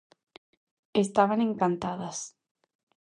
Estaban encantadas.